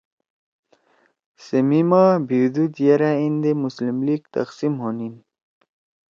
سے میِما بھیُؤدُود یرأ ایندے مسلم لیگ تقسیم ہونیِن